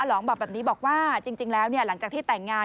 ลองบอกแบบนี้บอกว่าจริงแล้วหลังจากที่แต่งงาน